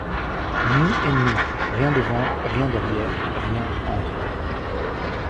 Nuit et nuit ; rien devant, rien derrière ; rien entre.